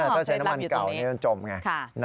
ถ้าใช้น้ำมันเก่าจะจมไง